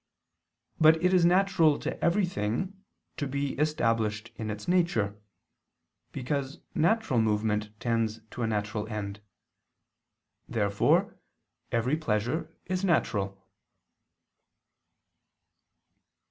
But it is natural to every thing to be established in its nature; because natural movement tends to a natural end. Therefore every pleasure is natural.